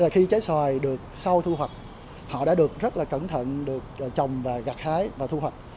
khi trái xoài được sau thu hoạch họ đã được rất là cẩn thận được trồng và gặt hái và thu hoạch